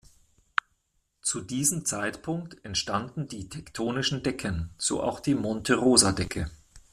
Zu diesem Zeitpunkt entstanden die tektonischen Decken, so auch die Monte-Rosa-Decke.